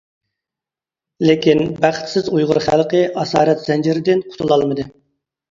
لېكىن، بەختسىز ئۇيغۇر خەلقى ئاسارەت زەنجىرىدىن قۇتۇلالمىدى.